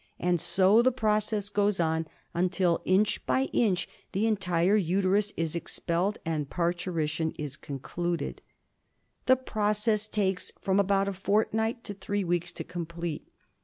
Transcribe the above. And so the process goes on, until inch by inch the entire uterus is expelled and parturition is concluded. The process takes from about a fortnight to three weeks to complete.